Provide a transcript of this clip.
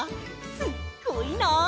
すっごいなあ！